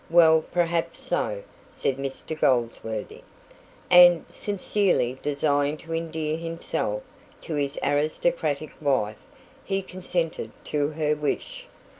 "Well, perhaps so," said Mr Goldsworthy. And, sincerely desiring to endear himself to his aristocratic wife, he consented to her wish.